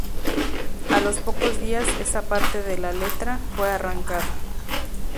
A los pocos días esa parte de la letra fue arrancada.